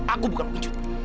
aku bukan pengecut